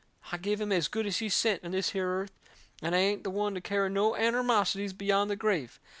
I give him as good as he sent on this here earth, and I ain't the one to carry no annermosities beyond the grave.